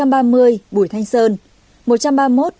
một trăm ba mươi bùi thanh sơn